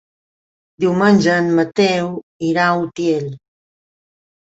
Diumenge en Mateu irà a Utiel.